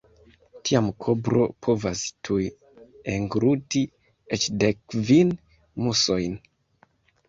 Tiam kobro povas tuj engluti eĉ dek kvin musojn.